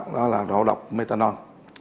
đó là ngộ độc methanol